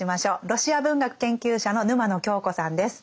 ロシア文学研究者の沼野恭子さんです。